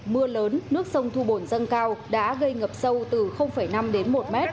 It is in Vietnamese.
mưa lớn nước sông thu bồn dâng cao đã gây ngập sâu từ năm đến một mét